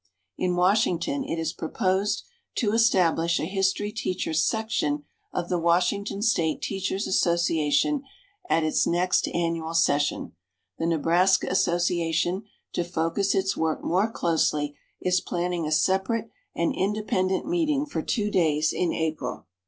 In Washington it is proposed to establish a history teachers' section of the Washington State Teachers' Association at its next annual session. The Nebraska association, to focus its work more closely, is planning a separate and independent meeting for two days in April.